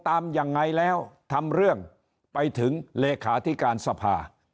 ตามยังไงแล้วทำเรื่องไปถึงเลขาธิการสภา